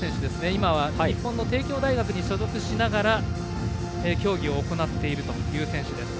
今は日本の帝京大学に所属しながら競技を行っているという選手です。